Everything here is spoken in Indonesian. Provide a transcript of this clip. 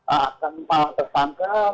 akan malah tersangka